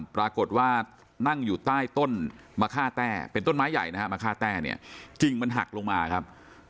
ปรากฏว่านั่งอยู่ใต้ต้นมะค่าแต้เป็นต้นไม้ใหญ่นะฮะมะค่าแต้เนี่ยกิ่งมันหักลงมาครับ